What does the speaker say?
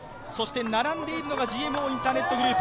並んでいるのがＧＭＯインターネットグループ。